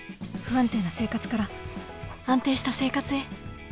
不安定な生活から安定した生活へ